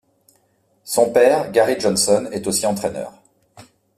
Son père, Gary Johnson, est aussi entraineur.